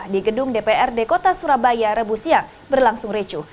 di gedung dprd kota surabaya rebusiang berlangsung ricu